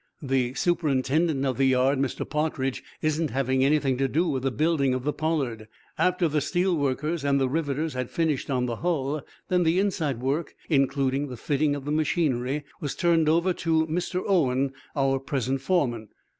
The superintendent of the yard, Mr. Partridge, isn't having anything to do with the building of the 'Pollard.' After the steel workers and the riveters had finished on the hull, then the inside work, including the fitting of the machinery, was turned over to Mr. Owen, our present foreman.